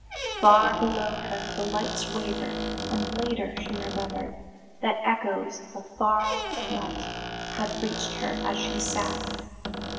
Far below her the lights wavered and later she remembered that echoes of a far off tumult had reached her as she sat.